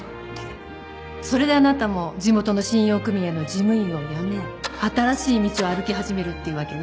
それであなたも地元の信用組合の事務員を辞め新しい道を歩き始めるっていうわけね。